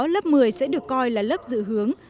lớp một mươi sẽ được coi là lớp dự hướng